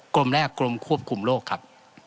กรมแรกกรมควบคุมโรคครับ